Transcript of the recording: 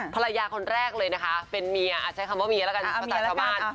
ภรรยาคนแรกเลยนะคะเป็นเมียใช้คำว่าเมียแล้วกันภาษาชาวบ้าน